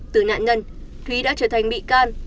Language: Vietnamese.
từ nạn nhân thúy đã trở thành bị can